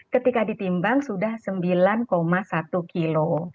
ketika ditimbang sudah sembilan satu kilo